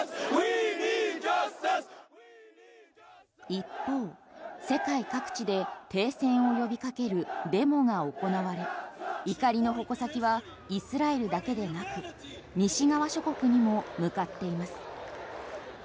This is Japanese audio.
一方、世界各地で停戦を呼びかけるデモが行われ怒りの矛先はイスラエルだけでなく西側諸国にも向かっています。